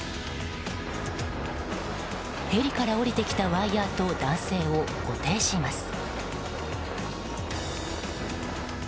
ヘリから降りてきたワイヤと男性を固定します。